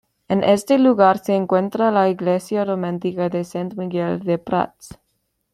En este lugar se encuentra la iglesia románica de Sant Miquel de Prats.